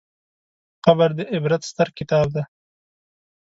قبر د عبرت ستر کتاب دی.